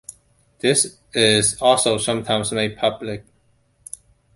This is also sometimes made public.